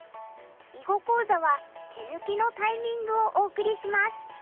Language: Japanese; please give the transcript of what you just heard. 囲碁講座は「手抜きのタイミング」をお送りします。